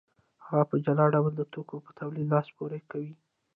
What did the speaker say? هغه په جلا ډول د توکو په تولید لاس پورې کوي